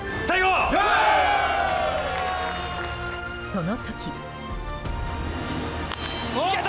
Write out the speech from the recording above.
その時。